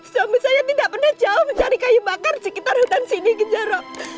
sombi saya tidak pernah jauh mencari kayu bakar di sekitar hutan sini kejar